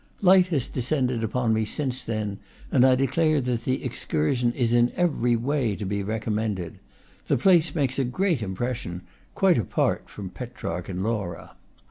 Light has descended upon me since then, and I declare that the excursion is in every way to be recommended. The place makes a great impression, quite apart from Petrarch and Laura.